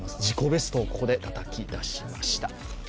自己ベストをここでたたき出しました。